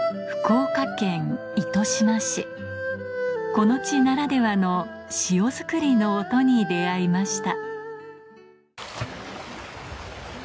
この地ならではの塩作りの音に出合いました